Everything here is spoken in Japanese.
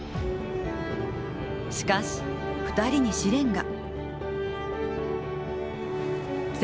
しかし、２人に試練が。